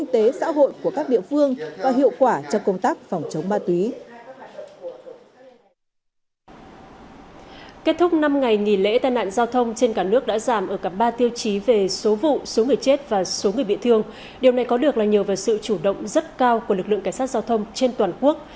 kết thúc năm ngày nghỉ lễ tai nạn giao thông trên cả nước đã giảm ở cả ba tiêu chí về số vụ số người chết và số người bị thương điều này có được là nhờ vào sự chủ động rất cao của lực lượng cảnh sát giao thông trên toàn quốc